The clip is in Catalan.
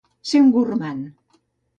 Ser un gormand.